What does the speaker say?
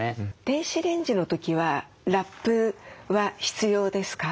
電子レンジの時はラップは必要ですか？